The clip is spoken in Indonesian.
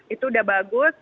itu udah bagus